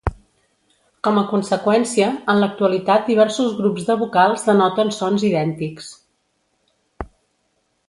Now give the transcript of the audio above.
Com a conseqüència, en l'actualitat diversos grups de vocals denoten sons idèntics.